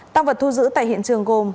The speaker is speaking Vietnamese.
tăng vật thu giữ tại hiện trường gồm